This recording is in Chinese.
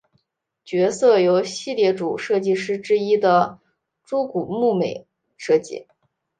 角色由系列主设计师之一的猪股睦美设计。